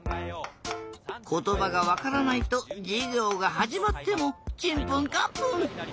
ことばがわからないとじゅぎょうがはじまってもチンプンカンプン。